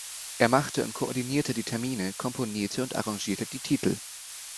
Er machte und koordinierte die Termine, komponierte und arrangierte die Titel.